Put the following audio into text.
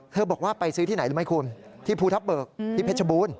บอกว่าไปซื้อที่ไหนรู้ไหมคุณที่ภูทับเบิกที่เพชรบูรณ์